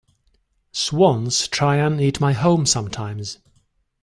Swans try and eat my home sometimes.